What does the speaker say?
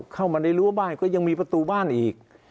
เข้ามาในรั้วบ้านก็ยังมีประตูบ้านอีก